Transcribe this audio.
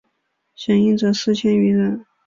响应者四千余人。